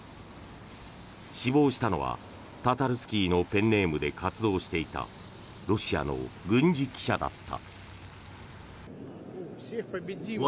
死亡したのはタタルスキーのペンネームで活動していたロシアの軍事記者だった。